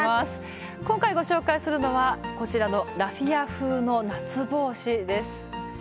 今回ご紹介するのはこちらのラフィア風の夏帽子です。